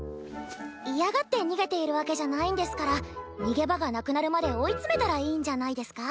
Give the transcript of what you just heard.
嫌がって逃げているわけじゃないんですから逃げ場がなくなるまで追い詰めたらいいんじゃないですか？